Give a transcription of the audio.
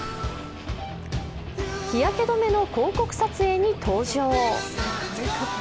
日焼け止めの広告撮影に登場。